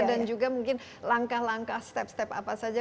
dan juga mungkin langkah langkah step step apa saja